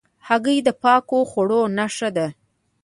هګۍ د پاکو خواړو نښه ده.